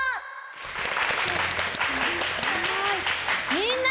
みんな！